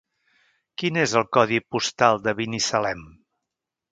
Quin és el codi postal de Binissalem?